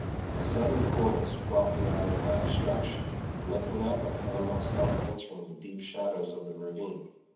A sudden coolness brought me out of my abstraction, and looking up I found myself entering the deep shadows of the ravine.